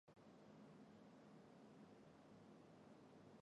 弗热雷。